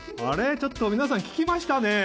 ちょっと皆さん聞きました？ねぇ！